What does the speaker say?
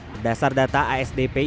berdasar data asdp indonesia